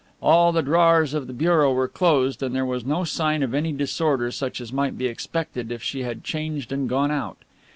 All the drawers of the bureau were closed and there was no sign of any disorder such as might be expected if she had changed and gone out.